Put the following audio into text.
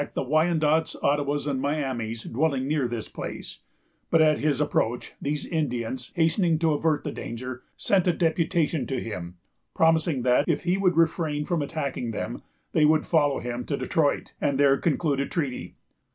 He had been ordered to attack the Wyandots, Ottawas, and Miamis, dwelling near this place; but at his approach, these Indians, hastening to avert the danger, sent a deputation to meet him, promising that, if he would refrain from attacking them, they would follow him to Detroit, and there conclude a treaty.